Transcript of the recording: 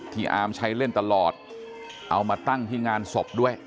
อาร์มใช้เล่นตลอดเอามาตั้งที่งานศพด้วย